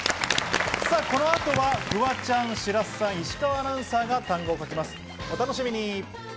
この後はフワちゃん、白洲さん、石川アナが単語を書きます。